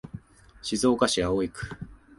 静岡市葵区